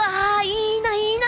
いいないいな！